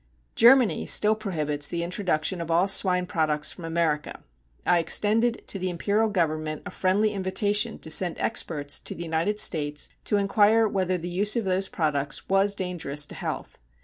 Germany still prohibits the introduction of all swine products from America. I extended to the Imperial Government a friendly invitation to send experts to the United States to inquire whether the use of those products was dangerous to health.